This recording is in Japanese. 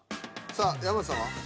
さあ山内さんは？